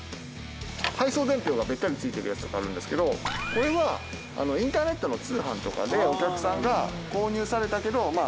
配送伝票がべったりついてるやつとかあるんですけどこれはインターネットの通販とかでお客さんが購入されたけどま